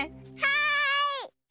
はい！